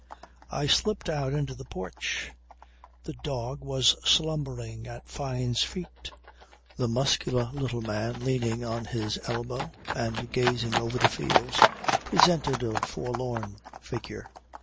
I slipped out into the porch. The dog was slumbering at Fyne's feet. The muscular little man leaning on his elbow and gazing over the fields presented a forlorn figure.